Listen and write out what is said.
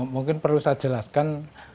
mungkin perlu saya jelaskan